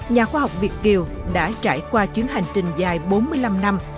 nhà khoa học việt kiều đã trải qua chuyến hành trình dài bốn mươi năm năm